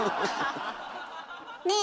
ねえ